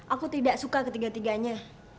aku tidak suka ketiga tiganya